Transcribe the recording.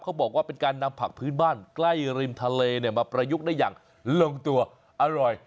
เขาบอกว่าเป็นการนำผักพื้นบ้านใกล้ริมทะเลมาประยุกต์ได้อย่างลงตัวอร่อย